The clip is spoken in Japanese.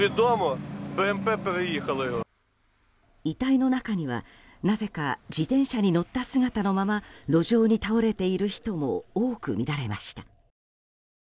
遺体の中には、なぜか自転車に乗った姿のまま路上に倒れている人も多く見られました。